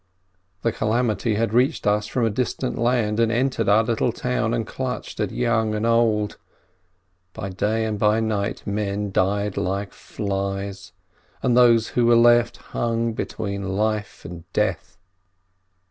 The calamity had reached us from a distant land, and entered our little town, and clutched at young and old. By day and by night men died like flies, and those who were left hung between life and death.